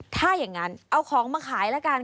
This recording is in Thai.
ถ้าอย่างนั้นเอาของมาขายแล้วกัน